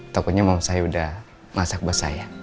pokoknya mama saya udah masak basah ya